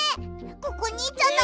ここにいちゃだめ！